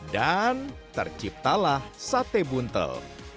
dan terciptalah sate buntal